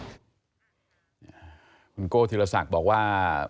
คุณโกว์ธิรสักย์บอกว่า